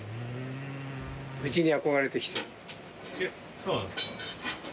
そうなんですか？